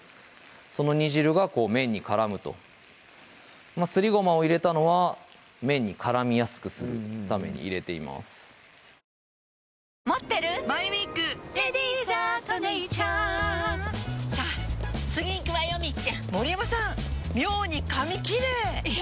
その煮汁が麺に絡むとすりごまを入れたのは麺に絡みやすくするために入れていますではこちらに野沢菜も入れましてきました